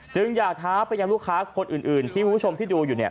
อยากท้าไปยังลูกค้าคนอื่นที่คุณผู้ชมที่ดูอยู่เนี่ย